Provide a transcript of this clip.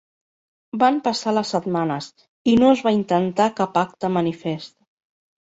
Van passar les setmanes i no es va intentar cap acte manifest.